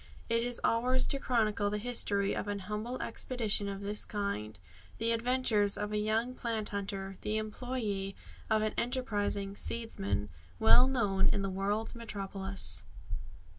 It is ours to chronicle the story of an humble expedition of this kind the adventures of a young plant hunter, the employe of an enterprising "seedsman" well known in the world's metropolis.